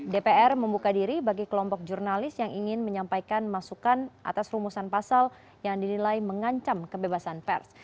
dpr membuka diri bagi kelompok jurnalis yang ingin menyampaikan masukan atas rumusan pasal yang dinilai mengancam kebebasan pers